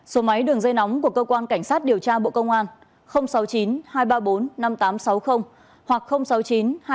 số máy đường dây nóng của cơ quan cảnh sát điều tra bộ công an sáu mươi chín hai trăm ba mươi bốn năm nghìn tám trăm sáu mươi hoặc sáu mươi chín hai trăm ba mươi hai một nghìn sáu trăm sáu mươi bảy